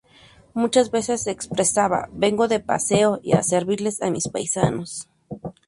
Muchas veces expresaba: "Vengo de paseo y a servirle a mis paisanos".